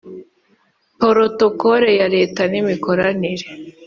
porotokole ya Leta n imikoranire